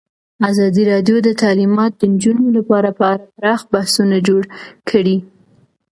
ازادي راډیو د تعلیمات د نجونو لپاره په اړه پراخ بحثونه جوړ کړي.